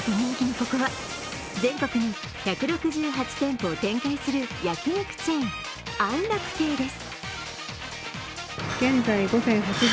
ここは全国に１６８店舗を展開する焼き肉チェーン、安楽亭です。